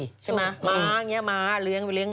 ใช่ไหมว้างเงี๊ยวหมาเลี้ยงไปเลี้ยง